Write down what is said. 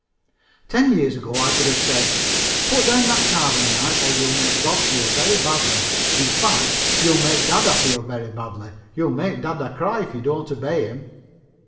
Ten years ago I could have said, "Put down that carving knife or you'll make God feel very badly. In fact, you'll make dada feel very badly. You'll make dada cry if you don't obey him."